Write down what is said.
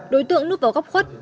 đối tượng núp vào góc khuất